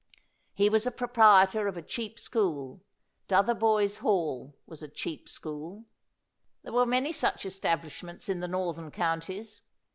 He was a pro prietor of a cheap school; Dotheboys Hall was a cheap school. There were many such establish ments in the northern counties.